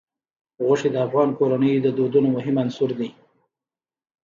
غوښې د افغان کورنیو د دودونو مهم عنصر دی.